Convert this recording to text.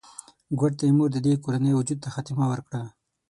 ګوډ تیمور د دې کورنۍ وجود ته خاتمه ورکړه.